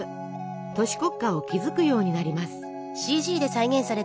都市国家を築くようになります。